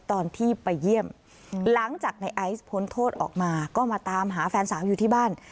ตอนที่ไปเยี่ยมหลังจากในไอซ์พ้นโทษออกมาก็มาตามหาแฟนสาวอยู่ที่บ้าน